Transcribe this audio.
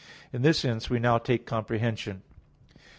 In this sense we now take comprehension.